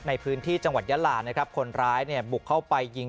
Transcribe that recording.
ในพื้นที่จังหวัดยาลานะครับคนร้ายเนี่ยบุกเข้าไปยิง